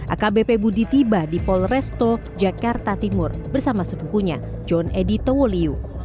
akbp budi tiba di polresto jakarta timur bersama sepupunya john edy towoliu